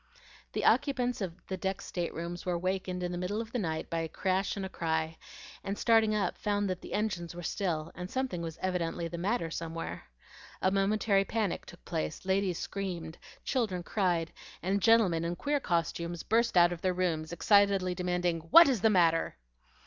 The occupants of the deck staterooms were wakened in the middle of the night by a crash and a cry, and starting up found that the engines were still, and something was evidently the matter somewhere. A momentary panic took place; ladies screamed, children cried, and gentlemen in queer costumes burst out of their rooms, excitedly demanding, "What is the matter?"